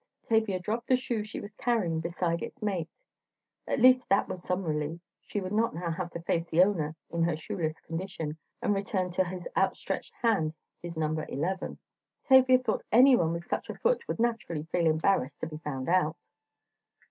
Tavia dropped the shoe she was carrying beside its mate! At least that was some relief, she would not now have to face the owner in her shoeless condition and return to his outstretched hand his number eleven. Tavia thought anyone with such a foot would naturally feel embarrassed to be found out.